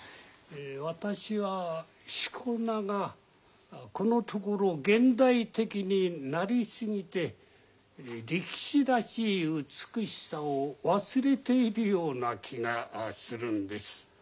私は四股名がこのところ現代的になり過ぎて力士らしい美しさを忘れているような気がするんです。